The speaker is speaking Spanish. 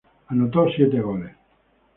Anotó siete goles.